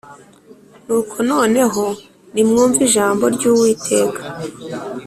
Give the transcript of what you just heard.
nuko noneho nimwumve ijambo ry Uwiteka